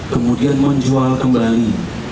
kemudian menjual kembali